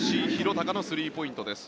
鷹のスリーポイントです。